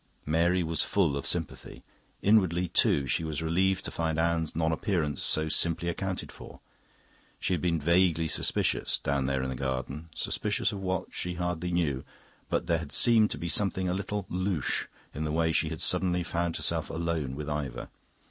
Mary was full of sympathy. Inwardly, too, she was relieved to find Anne's non appearance so simply accounted for. She had been vaguely suspicious, down there in the garden suspicious of what, she hardly knew; but there had seemed to be something a little louche in the way she had suddenly found herself alone with Ivor.